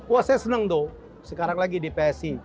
wah saya senang tuh sekarang lagi di psi